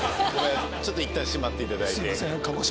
いったんしまっていただいて。